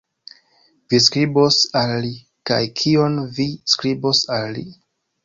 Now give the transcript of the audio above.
Vi skribos al li! Kaj kion vi skribos al li?